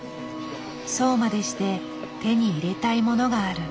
そうまでして手に入れたいものがある。